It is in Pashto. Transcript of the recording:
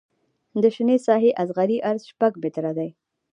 د شنې ساحې اصغري عرض شپږ متره دی